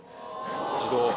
自動。